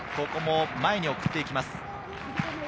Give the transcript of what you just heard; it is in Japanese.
ここも前に送っていきます。